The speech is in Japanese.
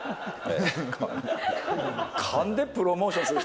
勘でプロモーションする人、